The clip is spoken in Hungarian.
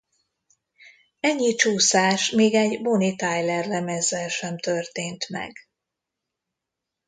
Ennyi csúszás még egy Bonnie Tyler lemezzel sem történt meg.